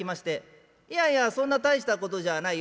「いやいやそんな大したことじゃあないよ。